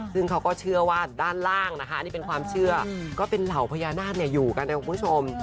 ซึ่งเขาก็เชื่อว่าด้านล่างนะคะนี่เป็นความเชื่อก็เป็นเหล่าพญานาคอยู่กันนะคุณผู้ชม